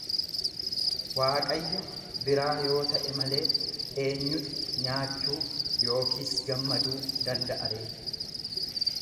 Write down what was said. Waaqayyo biraa yoo ta'e malee, eenyutu nyaachuu yookiis gammaduu danda'a ree?